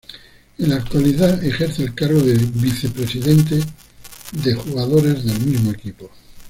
En la actualidad ejerce el cargo de vicepresidente de jugadores del mismo equipo.